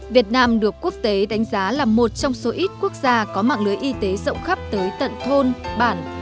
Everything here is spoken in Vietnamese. việt nam được quốc tế đánh giá là một trong số ít quốc gia có mạng lưới y tế rộng khắp tới tận thôn bản